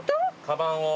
かばんを。